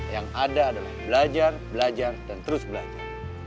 yang ada adalah belajar belajar dan terus belajar